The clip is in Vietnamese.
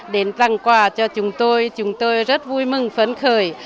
đến tặng quà cho chúng tôi chúng tôi rất vui mừng phấn khởi